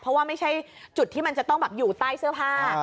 เพราะว่าไม่ใช่จุดที่มันจะต้องแบบอยู่ใต้เสื้อผ้า